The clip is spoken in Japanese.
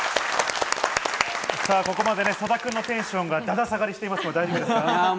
ここまで曽田君のテンションが、だだ下がりしていますが、大丈夫ですか？